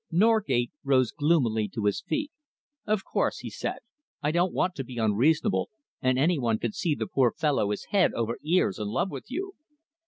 Norgate rose gloomily to his feet. "Of course," he said, "I don't want to be unreasonable, and any one can see the poor fellow is head over ears in love with you."